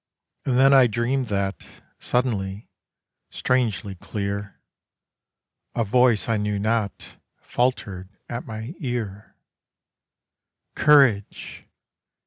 And then I dreamed that suddenly, strangely clear A voice I knew not, faltered at my ear: "Courage!"